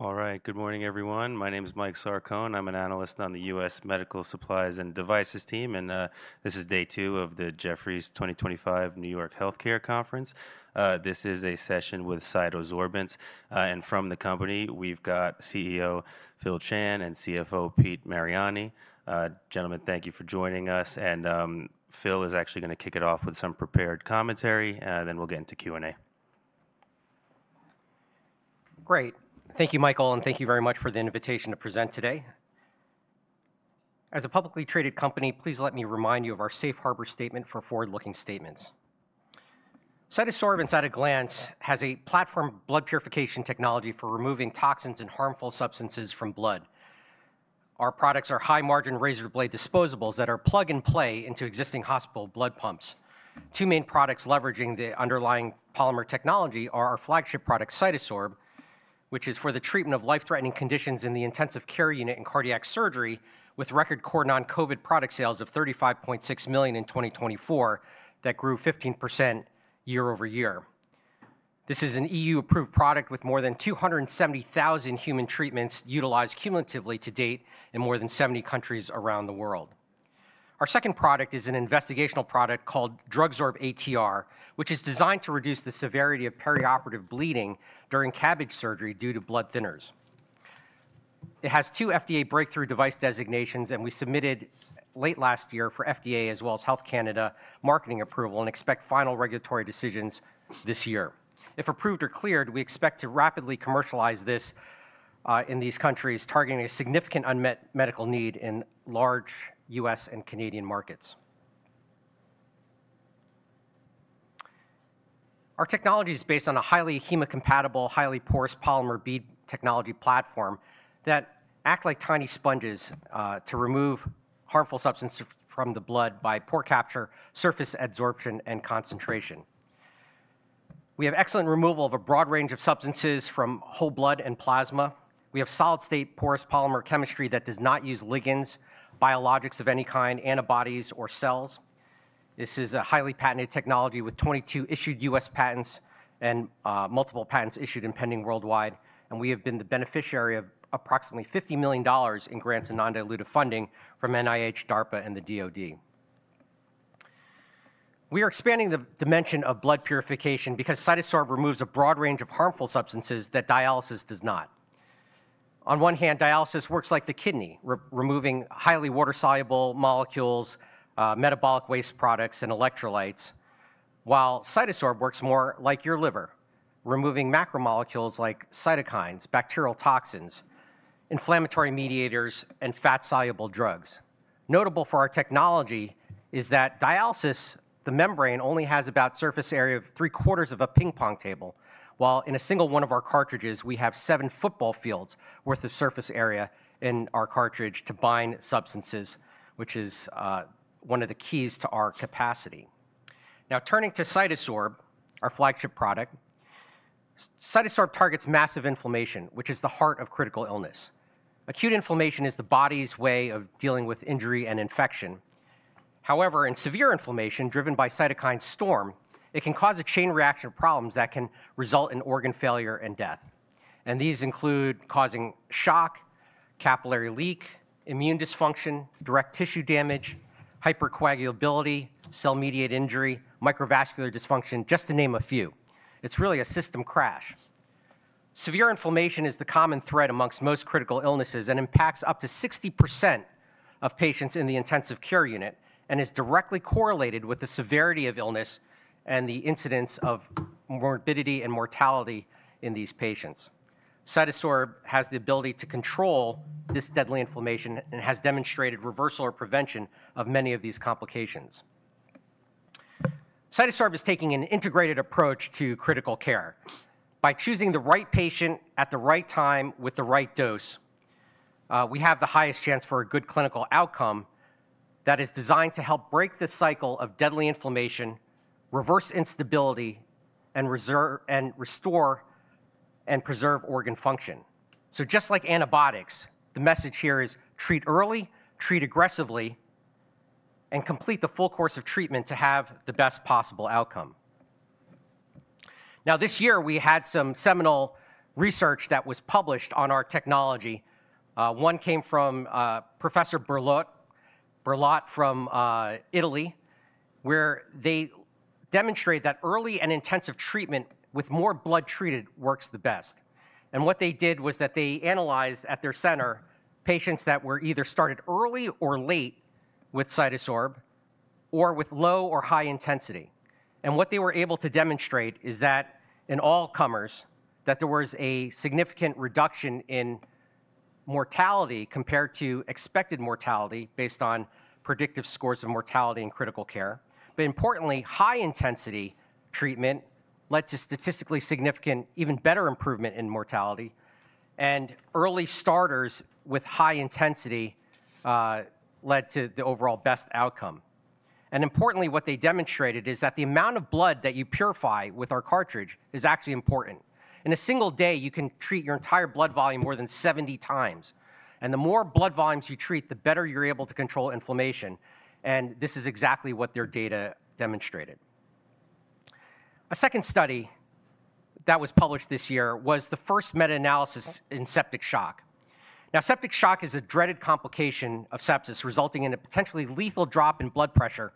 All right, good morning, everyone. My name is Mike Sarcone. I'm an analyst on the U.S. Medical Supplies and Devices team, and this is day two of the Jefferies 2025 New York Healthcare Conference. This is a session with CytoSorbents. From the company, we've got CEO Phil Chan and CFO Pete Mariani. Gentlemen, thank you for joining us. Phil is actually going to kick it off with some prepared commentary, then we'll get into Q&A. Great. Thank you, Michael, and thank you very much for the invitation to present today. As a publicly traded company, please let me remind you of our safe harbor statement for forward-looking statements. CytoSorbents, at a glance, has a platform blood purification technology for removing toxins and harmful substances from blood. Our products are high-margin razor blade disposables that are plug-and-play into existing hospital blood pumps. Two main products leveraging the underlying polymer technology are our flagship product, CytoSorb, which is for the treatment of life-threatening conditions in the intensive care unit and cardiac surgery, with record core non-COVID product sales of $35.6 million in 2024 that grew 15% year over year. This is an EU approved product with more than 270,000 human treatments utilized cumulatively to date in more than 70 countries around the world. Our second product is an investigational product called DrugSorb-ATR, which is designed to reduce the severity of perioperative bleeding during CABG surgery due to blood thinners. It has two FDA breakthrough device designations, and we submitted late last year for FDA as well as Health Canada marketing approval and expect final regulatory decisions this year. If approved or cleared, we expect to rapidly commercialize this in these countries, targeting a significant unmet medical need in large U.S. and Canadian markets. Our technology is based on a highly hemocompatible, highly porous polymer bead technology platform that acts like tiny sponges to remove harmful substances from the blood by pore capture, surface adsorption, and concentration. We have excellent removal of a broad range of substances from whole blood and plasma. We have solid-state porous polymer chemistry that does not use ligands, biologics of any kind, antibodies, or cells. This is a highly patented technology with 22 issued U.S. patents and multiple patents issued and pending worldwide. We have been the beneficiary of approximately $50 million in grants and non-dilutive funding from NIH, DARPA, and the DOD. We are expanding the dimension of blood purification because CytoSorb removes a broad range of harmful substances that dialysis does not. On one hand, dialysis works like the kidney, removing highly water-soluble molecules, metabolic waste products, and electrolytes, while CytoSorb works more like your liver, removing macromolecules like cytokines, bacterial toxins, inflammatory mediators, and fat-soluble drugs. Notable for our technology is that dialysis, the membrane, only has about a surface area of three-quarters of a ping-pong table, while in a single one of our cartridges, we have seven football fields' worth of surface area in our cartridge to bind substances, which is one of the keys to our capacity. Now, turning to CytoSorb, our flagship product, CytoSorb targets massive inflammation, which is the heart of critical illness. Acute inflammation is the body's way of dealing with injury and infection. However, in severe inflammation driven by cytokine storm, it can cause a chain reaction of problems that can result in organ failure and death. These include causing shock, capillary leak, immune dysfunction, direct tissue damage, hypercoagulability, cell-mediated injury, microvascular dysfunction, just to name a few. It's really a system crash. Severe inflammation is the common threat amongst most critical illnesses and impacts up to 60% of patients in the intensive care unit and is directly correlated with the severity of illness and the incidence of morbidity and mortality in these patients. CytoSorb has the ability to control this deadly inflammation and has demonstrated reversal or prevention of many of these complications. CytoSorb is taking an integrated approach to critical care. By choosing the right patient at the right time with the right dose, we have the highest chance for a good clinical outcome that is designed to help break the cycle of deadly inflammation, reverse instability, and restore and preserve organ function. Just like antibiotics, the message here is treat early, treat aggressively, and complete the full course of treatment to have the best possible outcome. This year, we had some seminal research that was published on our technology. One came from Professor Berlot from Italy, where they demonstrated that early and intensive treatment with more blood treated works the best. What they did was that they analyzed at their center patients that were either started early or late with CytoSorb or with low or high intensity. What they were able to demonstrate is that in all comers, there was a significant reduction in mortality compared to expected mortality based on predictive scores of mortality in critical care. Importantly, high-intensity treatment led to statistically significant, even better improvement in mortality. Early starters with high intensity led to the overall best outcome. Importantly, what they demonstrated is that the amount of blood that you purify with our cartridge is actually important. In a single day, you can treat your entire blood volume more than 70 times. The more blood volumes you treat, the better you are able to control inflammation. This is exactly what their data demonstrated. A second study that was published this year was the first meta-analysis in septic shock. Now, septic shock is a dreaded complication of sepsis, resulting in a potentially lethal drop in blood pressure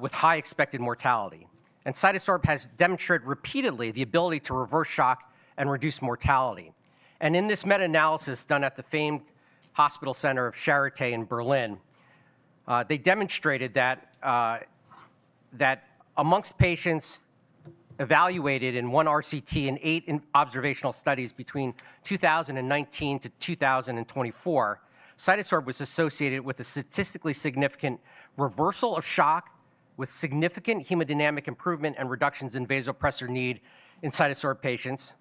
with high expected mortality. CytoSorb has demonstrated repeatedly the ability to reverse shock and reduce mortality. In this meta-analysis done at the famed hospital center of Charité in Berlin, they demonstrated that amongst patients evaluated in one RCT and eight observational studies between 2019 to 2024, CytoSorb was associated with a statistically significant reversal of shock with significant hemodynamic improvement and reductions in vasopressor need in CytoSorb patients.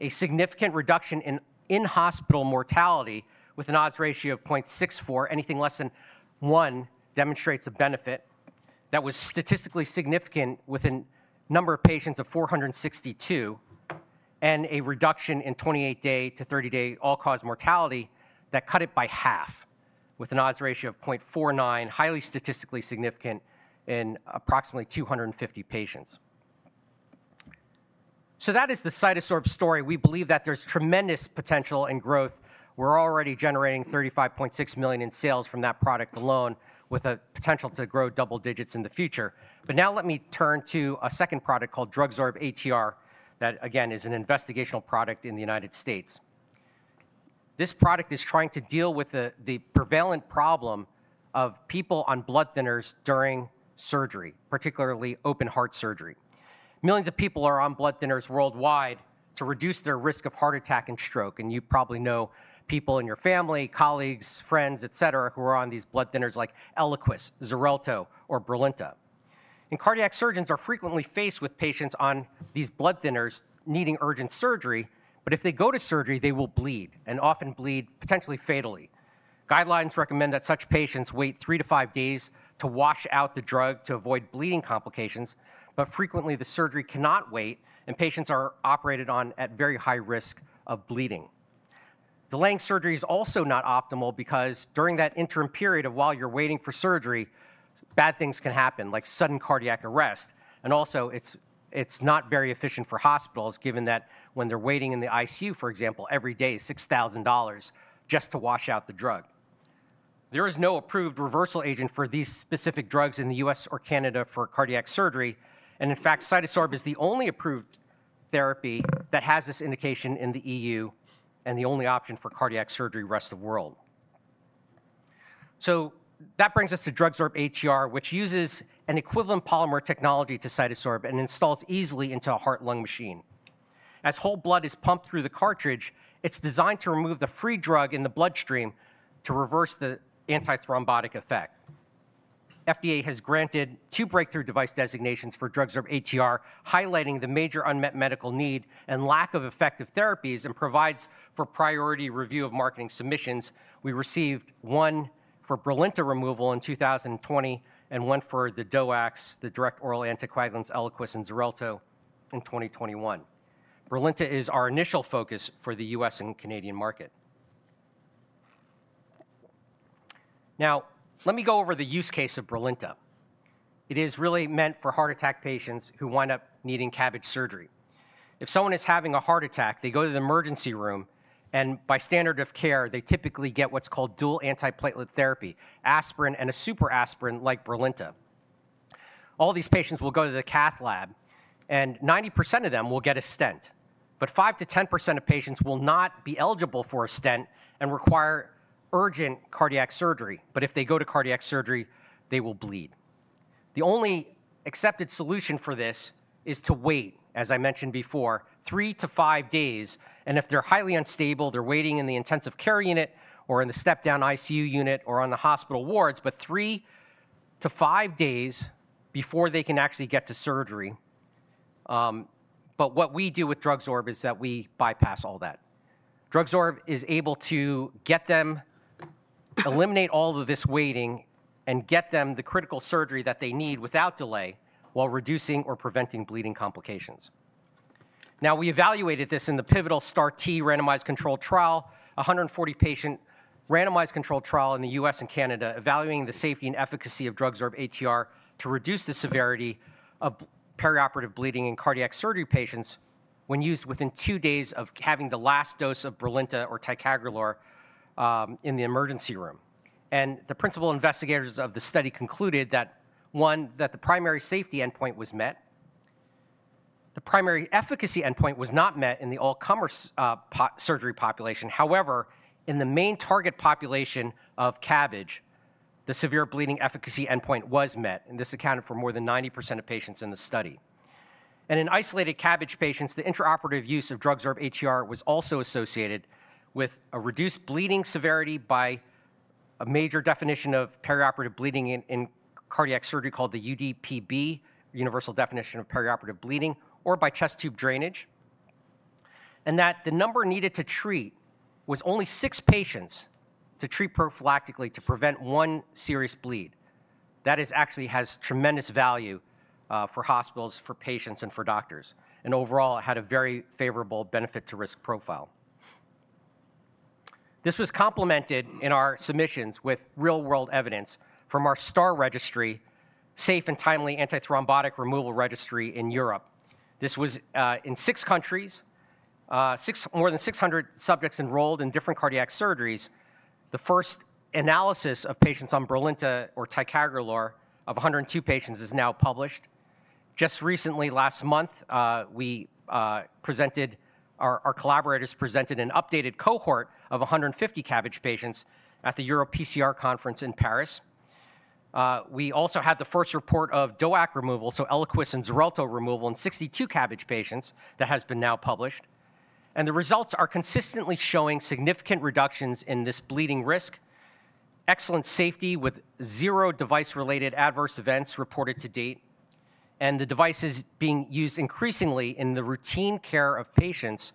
A significant reduction in in-hospital mortality with an odds ratio of 0.64, anything less than one, demonstrates a benefit that was statistically significant with a number of patients of 462 and a reduction in 28-day to 30-day all-cause mortality that cut it by half with an odds ratio of 0.49, highly statistically significant in approximately 250 patients. That is the CytoSorb story. We believe that there's tremendous potential and growth. We're already generating $35.6 million in sales from that product alone with a potential to grow double digits in the future. Now let me turn to a second product called DrugSorb-ATR that, again, is an investigational product in the U.S. This product is trying to deal with the prevalent problem of people on blood thinners during surgery, particularly open-heart surgery. Millions of people are on blood thinners worldwide to reduce their risk of heart attack and stroke. You probably know people in your family, colleagues, friends, et cetera, who are on these blood thinners like Eliquis, Xarelto, or Brilinta. Cardiac surgeons are frequently faced with patients on these blood thinners needing urgent surgery. If they go to surgery, they will bleed and often bleed potentially fatally. Guidelines recommend that such patients wait three to five days to wash out the drug to avoid bleeding complications. Frequently, the surgery cannot wait, and patients are operated on at very high risk of bleeding. Delaying surgery is also not optimal because during that interim period of while you're waiting for surgery, bad things can happen, like sudden cardiac arrest. It is also not very efficient for hospitals, given that when they're waiting in the ICU, for example, every day is $6,000 just to wash out the drug. There is no approved reversal agent for these specific drugs in the U.S. or Canada for cardiac surgery. In fact, CytoSorb is the only approved therapy that has this indication in the EU and the only option for cardiac surgery rest of the world. That brings us to DrugSorb-ATR, which uses an equivalent polymer technology to CytoSorb and installs easily into a heart-lung machine. As whole blood is pumped through the cartridge, it's designed to remove the free drug in the bloodstream to reverse the anti-thrombotic effect. FDA has granted two breakthrough device designations for DrugSorb-ATR, highlighting the major unmet medical need and lack of effective therapies and provides for priority review of marketing submissions. We received one for Brilinta removal in 2020 and one for the DOACs, the Direct Oral Anticoagulants, Eliquis, and Xarelto in 2021. Brilinta is our initial focus for the U.S. and Canadian market. Now, let me go over the use case of Brilinta. It is really meant for heart attack patients who wind up needing CABG surgery. If someone is having a heart attack, they go to the emergency room, and by standard of care, they typically get what's called dual antiplatelet therapy, aspirin and a super aspirin like Brilinta. All these patients will go to the cath lab, and 90% of them will get a stent. Five to 10% of patients will not be eligible for a stent and require urgent cardiac surgery. If they go to cardiac surgery, they will bleed. The only accepted solution for this is to wait, as I mentioned before, three to five days. If they're highly unstable, they're waiting in the intensive care unit or in the step-down ICU unit or on the hospital wards, but three to five days before they can actually get to surgery. What we do with DrugSorb is that we bypass all that. DrugSorb is able to get them, eliminate all of this waiting, and get them the critical surgery that they need without delay while reducing or preventing bleeding complications. Now, we evaluated this in the pivotal STAR-T randomized controlled trial, a 140 patient randomized controlled trial in the U.S. and Canada evaluating the safety and efficacy of DrugSorb-ATR to reduce the severity of perioperative bleeding in cardiac surgery patients when used within two days of having the last dose of Brilinta or Ticagrelor in the emergency room. The principal investigators of the study concluded that, one, that the primary safety endpoint was met. The primary efficacy endpoint was not met in the all-comer surgery population. However, in the main target population of CABG, the severe bleeding efficacy endpoint was met. This accounted for more than 90% of patients in the study. In isolated CABG patients, the intraoperative use of DrugSorb-ATR was also associated with a reduced bleeding severity by a major definition of perioperative bleeding in cardiac surgery called the UDPB, Universal Definition of Perioperative Bleeding, or by chest tube drainage. The number needed to treat was only six patients to treat prophylactically to prevent one serious bleed. That actually has tremendous value for hospitals, for patients, and for doctors. Overall, it had a very favorable benefit-to-risk profile. This was complemented in our submissions with real-world evidence from our STAR registry, Safe and Timely Anti-Thrombotic Removal Registry in Europe. This was in six countries, more than 600 subjects enrolled in different cardiac surgeries. The first analysis of patients on Brilinta or Ticagrelor of 102 patients is now published. Just recently, last month, our collaborators presented an updated cohort of 150 CABG patients at the Europe PCR Conference in Paris. We also had the first report of DOAC removal, so Eliquis and Xarelto removal in 62 CABG patients that has been now published. The results are consistently showing significant reductions in this bleeding risk, excellent safety with zero device-related adverse events reported to date, and the device is being used increasingly in the routine care of patients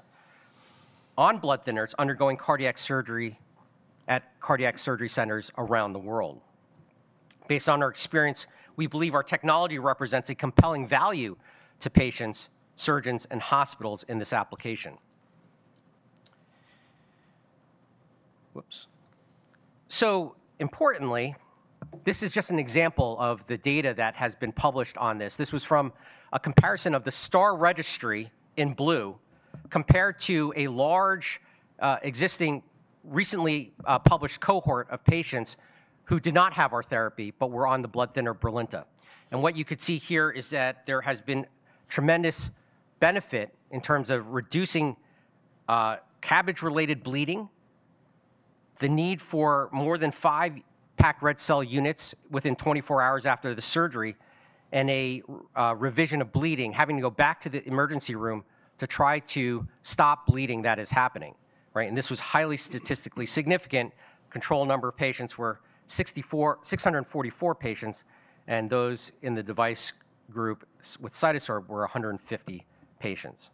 on blood thinners undergoing cardiac surgery at cardiac surgery centers around the world. Based on our experience, we believe our technology represents a compelling value to patients, surgeons, and hospitals in this application. Whoops. So importantly, this is just an example of the data that has been published on this. This was from a comparison of the STAR registry in blue compared to a large existing recently published cohort of patients who did not have our therapy but were on the blood thinner Brilinta. What you could see here is that there has been tremendous benefit in terms of reducing CABG related bleeding, the need for more than five packed red cell units within 24 hours after the surgery, and a revision of bleeding, having to go back to the emergency room to try to stop bleeding that is happening. This was highly statistically significant. Control number of patients were 644 patients, and those in the device group with CytoSorb were 150 patients.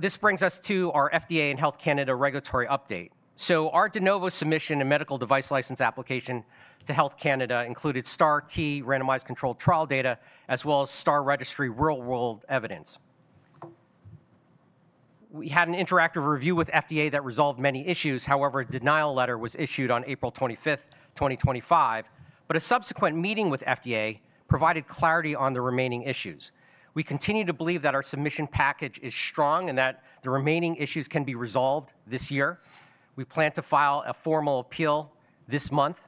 This brings us to our FDA and Health Canada regulatory update. Our de novo submission and medical device license application to Health Canada included STAR-T randomized controlled trial data as well as STAR registry real-world evidence. We had an interactive review with FDA that resolved many issues. However, a denial letter was issued on April 25, 2025. A subsequent meeting with FDA provided clarity on the remaining issues. We continue to believe that our submission package is strong and that the remaining issues can be resolved this year. We plan to file a formal appeal this month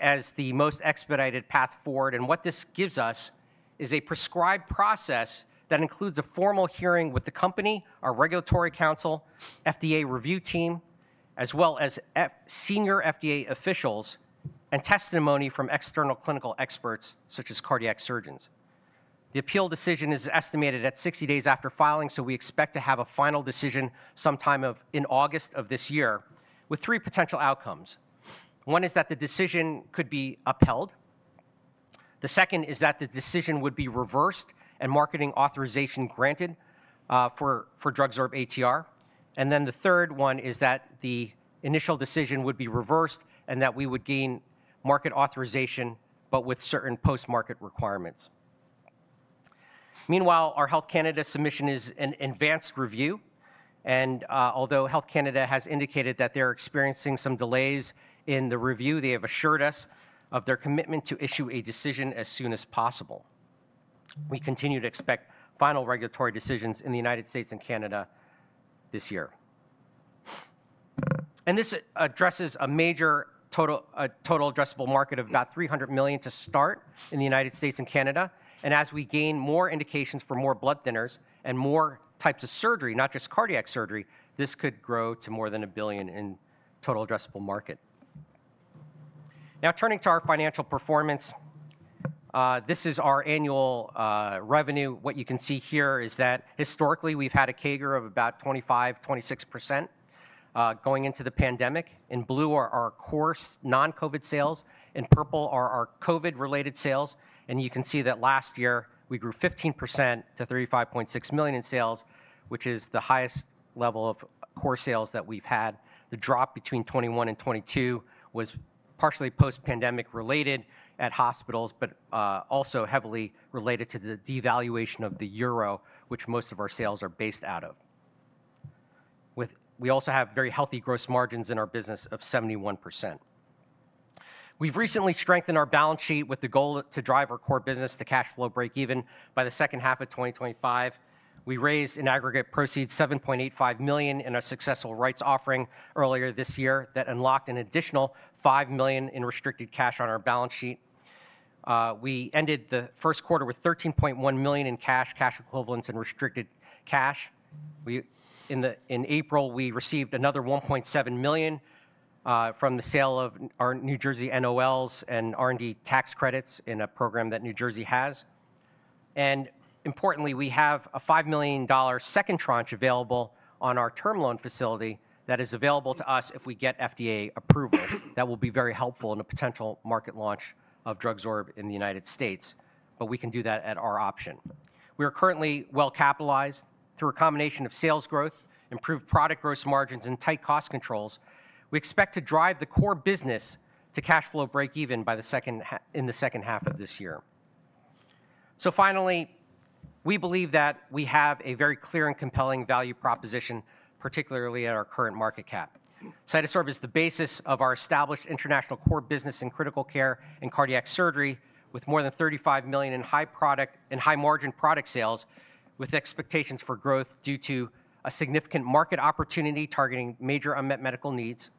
as the most expedited path forward. What this gives us is a prescribed process that includes a formal hearing with the company, our regulatory counsel, FDA review team, as well as senior FDA officials and testimony from external clinical experts such as cardiac surgeons. The appeal decision is estimated at 60 days after filing, so we expect to have a final decision sometime in August of this year with three potential outcomes. One is that the decision could be upheld. The second is that the decision would be reversed and marketing authorization granted for DrugSorb-ATR. The third one is that the initial decision would be reversed and that we would gain market authorization, but with certain post-market requirements. Meanwhile, our Health Canada submission is in advanced review. Although Health Canada has indicated that they're experiencing some delays in the review, they have assured us of their commitment to issue a decision as soon as possible. We continue to expect final regulatory decisions in the United States and Canada this year. This addresses a major total addressable market of about $300 million to start in the United States and Canada. As we gain more indications for more blood thinners and more types of surgery, not just cardiac surgery, this could grow to more than a $1 billion in total addressable market. Now, turning to our financial performance, this is our annual revenue. What you can see here is that historically, we've had a CAGR of about 25%-26% going into the pandemic. In blue are our core non-COVID sales. In purple are our COVID-related sales. You can see that last year, we grew 15% to $35.6 million in sales, which is the highest level of core sales that we've had. The drop between 2021 and 2022 was partially post-pandemic related at hospitals, but also heavily related to the devaluation of the euro, which most of our sales are based out of. We also have very healthy gross margins in our business of 71%. We've recently strengthened our balance sheet with the goal to drive our core business to cash flow breakeven by the second half of 2025. We raised in aggregate proceeds $7.85 million in a successful rights offering earlier this year that unlocked an additional $5 million in restricted cash on our balance sheet. We ended the first quarter with $13.1 million in cash, cash equivalents, and restricted cash. In April, we received another $1.7 million from the sale of our New Jersey NOLs and R&D tax credits in a program that New Jersey has. Importantly, we have a $5 million second tranche available on our term loan facility that is available to us if we get FDA approval. That will be very helpful in a potential market launch of DrugSorb in the United States. We can do that at our option. We are currently well capitalized through a combination of sales growth, improved product gross margins, and tight cost controls. We expect to drive the core business to cash flow breakeven in the second half of this year. Finally, we believe that we have a very clear and compelling value proposition, particularly at our current market cap. CytoSorb is the basis of our established international core business in critical care and cardiac surgery with more than $35 million in high-margin product sales, with expectations for growth due to a significant market opportunity targeting major unmet medical needs,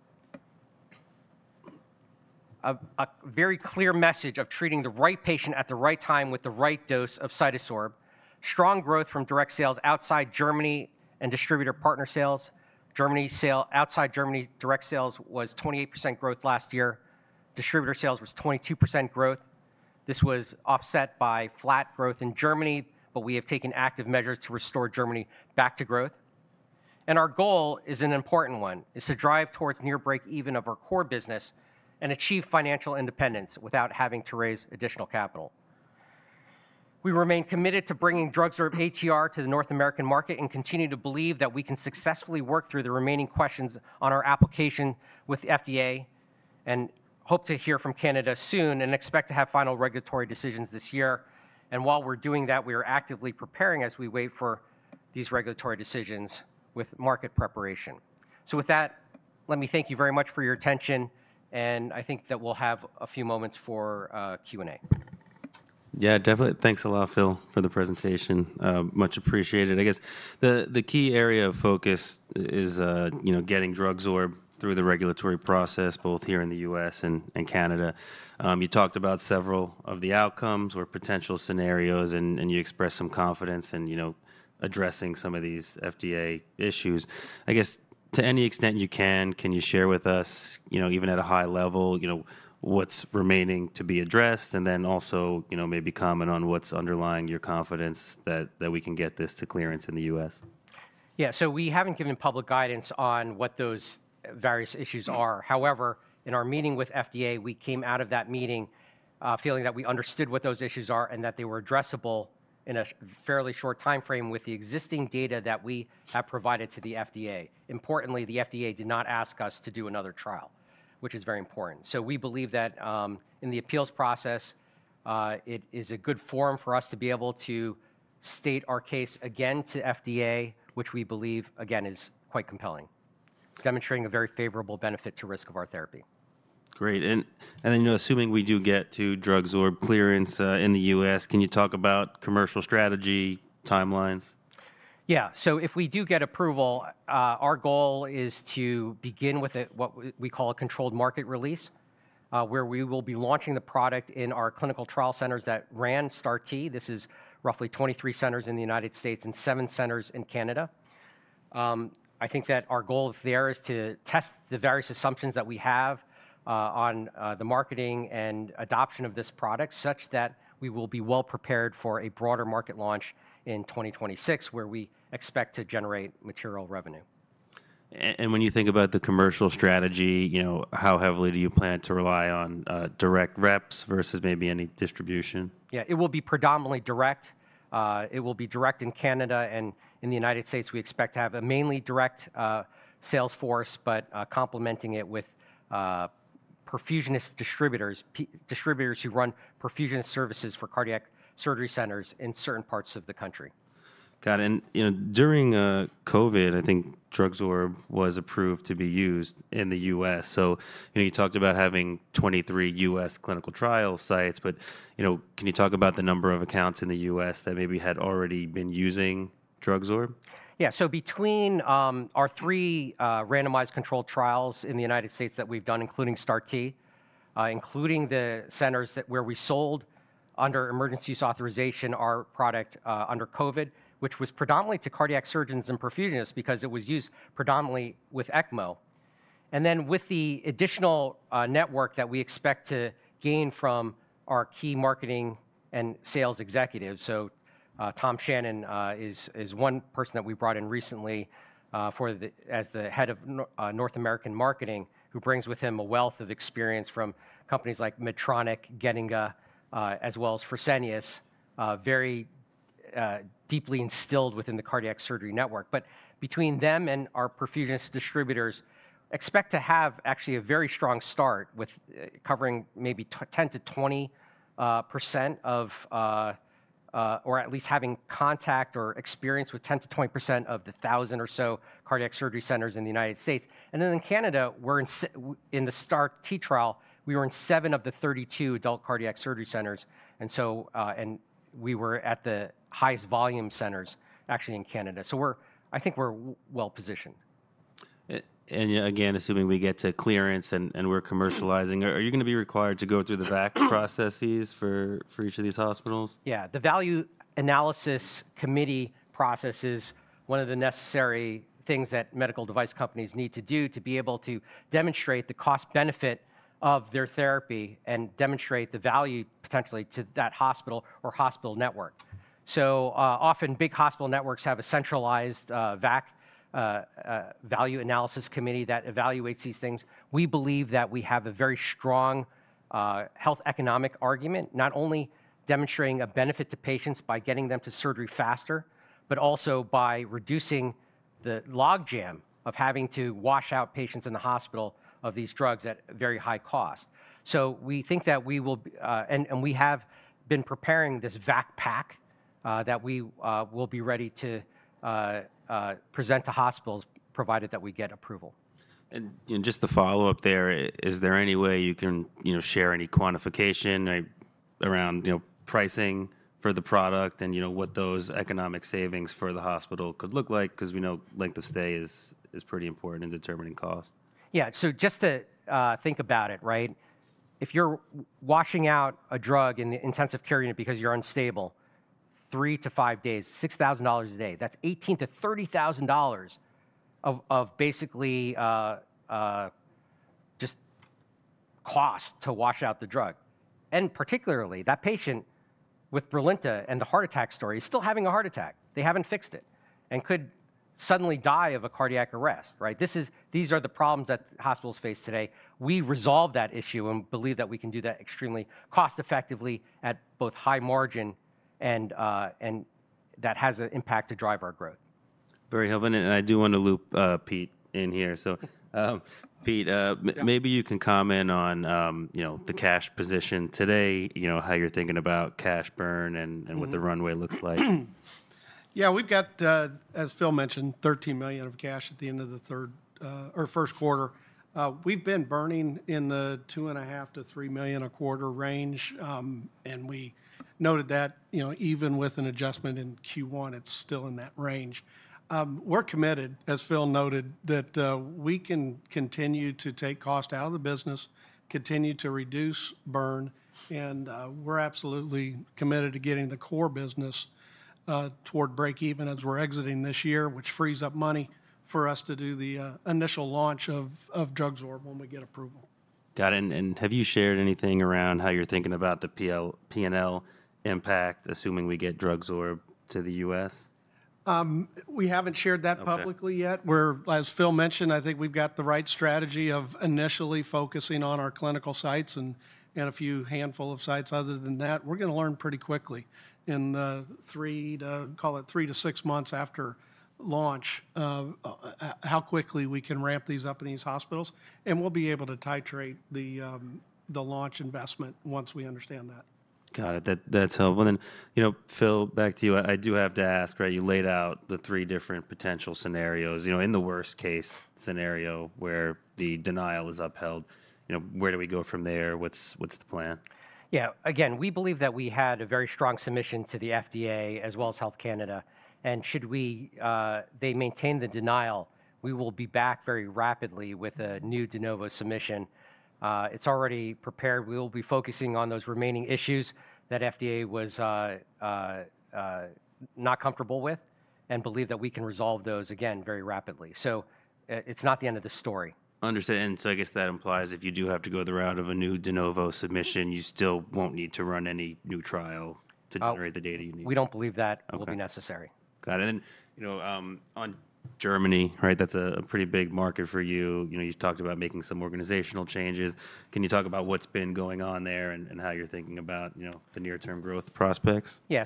a very clear message of treating the right patient at the right time with the right dose of CytoSorb, strong growth from direct sales outside Germany and distributor partner sales. Germany sale outside Germany direct sales was 28% growth last year. Distributor sales was 22% growth. This was offset by flat growth in Germany, but we have taken active measures to restore Germany back to growth. Our goal is an important one, to drive towards near breakeven of our core business and achieve financial independence without having to raise additional capital. We remain committed to bringing DrugSorb-ATR to the North American market and continue to believe that we can successfully work through the remaining questions on our application with FDA. We hope to hear from Canada soon and expect to have final regulatory decisions this year. While we are doing that, we are actively preparing as we wait for these regulatory decisions with market preparation. With that let me thank you very much for your attention. I think that we'll have a few moments for Q&A. Yeah, definitely. Thanks a lot, Phil, for the presentation. Much appreciated. I guess the key area of focus is getting DrugSorb through the regulatory process, both here in the U.S. and Canada. You talked about several of the outcomes or potential scenarios, and you expressed some confidence in addressing some of these FDA issues. I guess to any extent you can, can you share with us, even at a high level, what's remaining to be addressed? Also maybe comment on what's underlying your confidence that we can get this to clearance in the U.S.? Yeah, we haven't given public guidance on what those various issues are. However, in our meeting with FDA, we came out of that meeting feeling that we understood what those issues are and that they were addressable in a fairly short timeframe with the existing data that we have provided to the FDA. Importantly, the FDA did not ask us to do another trial, which is very important. We believe that in the appeals process, it is a good forum for us to be able to state our case again to the FDA, which we believe, again, is quite compelling, demonstrating a very favorable benefit to risk of our therapy. Great. Assuming we do get DrugSorb-ATR clearance in the U.S., can you talk about commercial strategy timelines? Yeah. If we do get approval, our goal is to begin with what we call a controlled market release, where we will be launching the product in our clinical trial centers that ran STAR-T. This is roughly 23 centers in the United States and seven centers in Canada. I think that our goal there is to test the various assumptions that we have on the marketing and adoption of this product such that we will be well prepared for a broader market launch in 2026, where we expect to generate material revenue. When you think about the commercial strategy, how heavily do you plan to rely on direct reps versus maybe any distribution? Yeah, it will be predominantly direct. It will be direct in Canada. In the U.S., we expect to have a mainly direct sales force, but complementing it with perfusionist distributors, distributors who run perfusion services for cardiac surgery centers in certain parts of the country. Got it. During COVID, I think DrugSorb was approved to be used in the U.S. You talked about having 23 U.S. clinical trial sites. Can you talk about the number of accounts in the U.S. that maybe had already been using DrugSorb? Yeah. Between our three randomized controlled trials in the United States that we've done, including STAR-T, including the centers where we sold under emergency use authorization our product under COVID, which was predominantly to cardiac surgeons and perfusionists because it was used predominantly with ECMO, and then with the additional network that we expect to gain from our key marketing and sales executives. Tom Shannon is one person that we brought in recently as the Head of North American Marketing, who brings with him a wealth of experience from companies like Medtronic, Getinge, as well as Fresenius, very deeply instilled within the cardiac surgery network. Between them and our perfusionist distributors, expect to have actually a very strong start with covering maybe 10%-20% of or at least having contact or experience with 10%-20% of the 1,000 or so cardiac surgery centers in the U.S. In Canada, in the STAR-T trial, we were in seven of the 32 adult cardiac surgery centers. We were at the highest volume centers actually in Canada. I think we are well positioned. Again, assuming we get to clearance and we are commercializing, are you going to be required to go through the VAC processes for each of these hospitals? Yeah. The value analysis committee process is one of the necessary things that medical device companies need to do to be able to demonstrate the cost-benefit of their therapy and demonstrate the value potentially to that hospital or hospital network. So often, big hospital networks have a centralized VAC value analysis committee that evaluates these things. We believe that we have a very strong health economic argument, not only demonstrating a benefit to patients by getting them to surgery faster, but also by reducing the log jam of having to wash out patients in the hospital of these drugs at very high cost. We think that we will, and we have been preparing this VAC pack that we will be ready to present to hospitals, provided that we get approval. Just to follow up there, is there any way you can share any quantification around pricing for the product and what those economic savings for the hospital could look like? Because we know length of stay is pretty important in determining cost. Yeah. Just to think about it, right? If you're washing out a drug in the intensive care unit because you're unstable, three to five days, $6,000 a day, that's $18,000-$30,000 of basically just cost to wash out the drug. Particularly, that patient with Brilinta and the heart attack story is still having a heart attack. They haven't fixed it and could suddenly die of a cardiac arrest, right? These are the problems that hospitals face today. We resolve that issue and believe that we can do that extremely cost-effectively at both high margin and that has an impact to drive our growth. Very helpful. I do want to loop Pete in here. Pete, maybe you can comment on the cash position today, how you're thinking about cash burn and what the runway looks like. Yeah, we've got, as Phil mentioned, $13 million of cash at the end of the third or first quarter. We've been burning in the $2.5 million-$3 million a quarter range. We noted that even with an adjustment in Q1, it's still in that range. We're committed, as Phil noted, that we can continue to take cost out of the business, continue to reduce burn. We're absolutely committed to getting the core business toward breakeven as we're exiting this year, which frees up money for us to do the initial launch of DrugSorb when we get approval. Got it. Have you shared anything around how you're thinking about the P&L impact, assuming we get DrugSorb to the U.S.? We haven't shared that publicly yet. As Phil mentioned, I think we've got the right strategy of initially focusing on our clinical sites and a few handful of sites. Other than that, we're going to learn pretty quickly in the three to, call it, three to six months after launch how quickly we can ramp these up in these hospitals. We will be able to titrate the launch investment once we understand that. Got it. That's helpful. Phil, back to you. I do have to ask, right? You laid out the three different potential scenarios. In the worst-case scenario where the denial is upheld, where do we go from there? What's the plan? Yeah. Again, we believe that we had a very strong submission to the FDA as well as Health Canada. Should they maintain the denial, we will be back very rapidly with a new de novo submission. It's already prepared. We will be focusing on those remaining issues that the FDA was not comfortable with and believe that we can resolve those again very rapidly. It is not the end of the story. Understood. I guess that implies if you do have to go the route of a new de novo submission, you still will not need to run any new trial to generate the data you need. We do not believe that will be necessary. Got it. On Germany, right? That is a pretty big market for you. You talked about making some organizational changes. Can you talk about what has been going on there and how you are thinking about the near-term growth prospects? Yeah.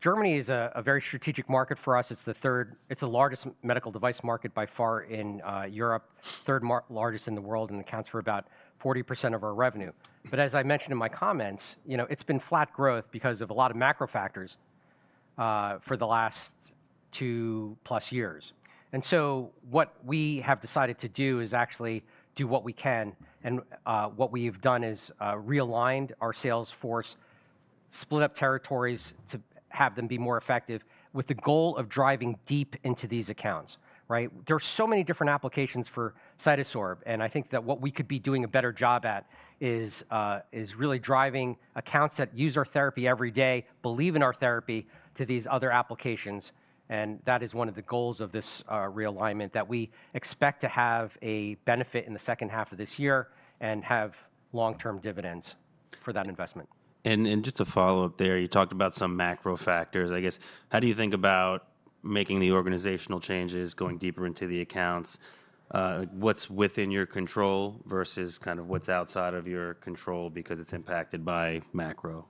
Germany is a very strategic market for us. It is the largest medical device market by far in Europe, third largest in the world, and accounts for about 40% of our revenue. As I mentioned in my comments, it's been flat growth because of a lot of macro factors for the last two+ years. What we have decided to do is actually do what we can. What we've done is realigned our sales force, split up territories to have them be more effective with the goal of driving deep into these accounts, right? There are so many different applications for CytoSorb. I think that what we could be doing a better job at is really driving accounts that use our therapy every day, believe in our therapy, to these other applications. That is one of the goals of this realignment that we expect to have a benefit in the second half of this year and have long-term dividends for that investment. Just to follow up there, you talked about some macro factors. I guess how do you think about making the organizational changes, going deeper into the accounts? What's within your control versus kind of what's outside of your control because it's impacted by macro?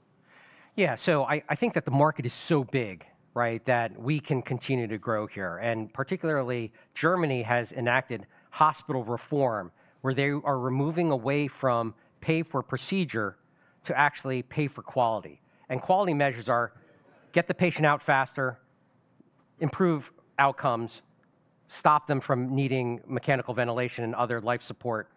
Yeah. I think that the market is so big, right, that we can continue to grow here. Particularly, Germany has enacted hospital reform where they are moving away from pay for procedure to actually pay for quality. Quality measures are get the patient out faster, improve outcomes, stop them from needing mechanical ventilation and other life support,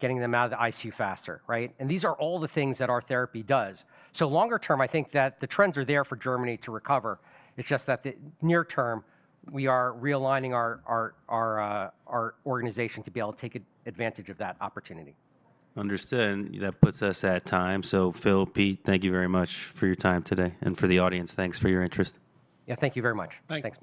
getting them out of the ICU faster, right? These are all the things that our therapy does. Longer term, I think that the trends are there for Germany to recover. It's just that in the near term, we are realigning our organization to be able to take advantage of that opportunity. Understood. That puts us at time. Phil, Pete, thank you very much for your time today. For the audience, thanks for your interest. Yeah, thank you very much. Thanks.